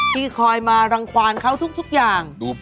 ที่คอยมารังความเขาทุกอย่าง